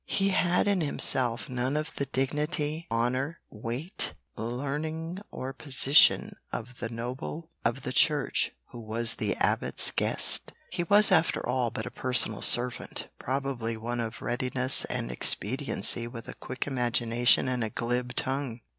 He had in himself none of the dignity, honour, weight, learning or position of the noble of the Church who was the Abbot's guest. He was after all but a personal servant; probably one of readiness and expediency with a quick imagination and a glib tongue.